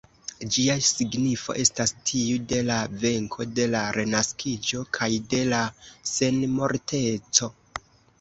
Ĝia signifo estas tiu de la venko, de la renaskiĝo kaj de la senmorteco.